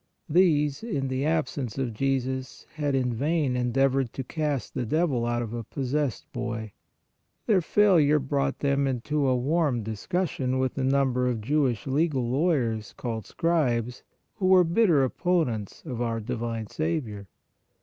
These, in the absence of Jesus had in vain endeavored to cast the devil out of a possessed boy; their failure brought them into a warm discussion with a number of Jewish legal lawyers, called scribes, who were bitter opponents of our divine Saviour.